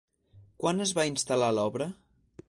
Quan es va instal·lar l'obra?